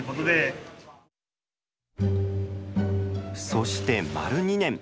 そして丸２年。